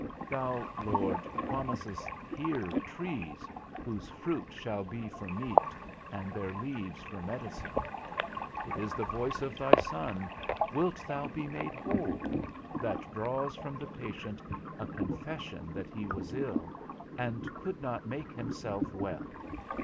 Thou, Lord, promisest here trees, whose fruit shall be for meat, and their leaves for medicine. It is the voice of thy Son, Wilt thou be made whole? that draws from the patient a confession that he was ill, and could not make himself well.